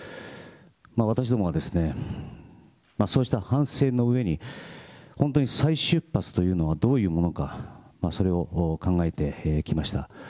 私どもがですね、そうした反省の上に本当に再出発というのはどういうものか、それを考えてきました。